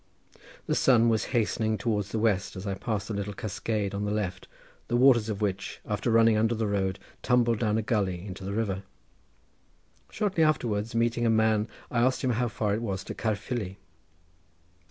The sun was hastening towards the west as I passed a little cascade on the left, the waters of which, after running under the road, tumbled down a gulley into the river. Shortly afterwards meeting a man I asked him how far it was to Caerfili.